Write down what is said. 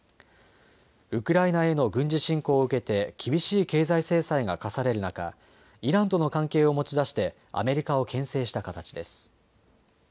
ウクライナへの軍事侵攻を受けて厳しい経済制裁が科される中、イランとの関係を持ち出してアメリカをけん制した形です。